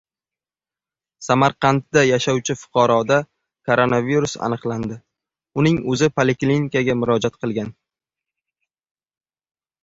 Samarqandda yashovchi fuqaroda koronavirus aniqlandi. Uning o‘zi poliklinikaga murojaat qilgan